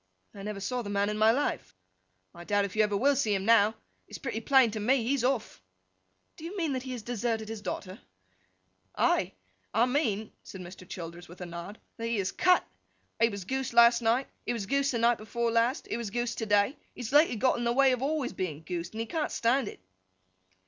'I never saw the man in my life.' 'I doubt if you ever will see him now. It's pretty plain to me, he's off.' 'Do you mean that he has deserted his daughter?' 'Ay! I mean,' said Mr. Childers, with a nod, 'that he has cut. He was goosed last night, he was goosed the night before last, he was goosed to day. He has lately got in the way of being always goosed, and he can't stand it.